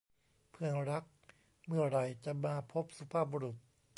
เพื่อนรัก เมื่อไหร่จะมาพบสุภาพบุรุษ